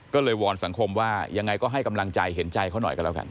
ก็เลยวอนสังคมว่ายังไงก็ให้กำลังใจเห็นใจเขาหน่อยกันแล้วกัน